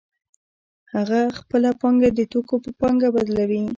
هغه خپله پانګه د توکو په پانګه بدلوي